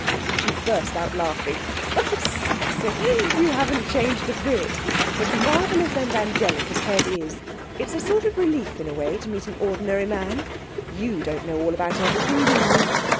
She burst out laughing. 'Oh, Cecil, you haven't changed a bit! But marvellous and angelic as Ted is, it's a sort of relief in a way to meet an ordinary man. You don't know all about everything, do you?